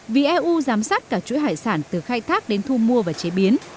vì eu giám sát cả chuỗi hải sản từ khai thác đến thu mua và chế biến